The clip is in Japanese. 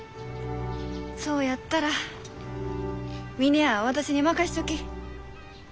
そうやったら峰屋は私に任しちょき。